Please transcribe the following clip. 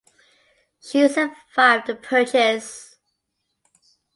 She survived the purges.